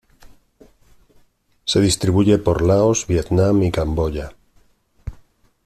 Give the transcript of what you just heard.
Se distribuye por Laos, Vietnam y Camboya.